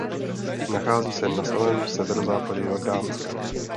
Nachází se na samém severozápadě Jordánska.